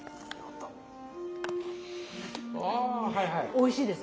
おいしいです。